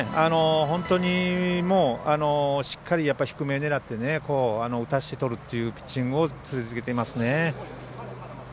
本当にしっかり低め狙って打たせてとるっていうピッチングを続けていますね。